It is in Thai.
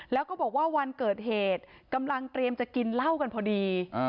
แล้วก็บอกว่าวันเกิดเหตุกำลังเตรียมจะกินเหล้ากันพอดี